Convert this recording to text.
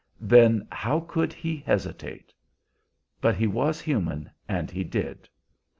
Then how could he hesitate? But he was human, and he did.